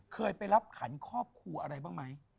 เคยไปรับขันครอบครูอะไรบ้างไหม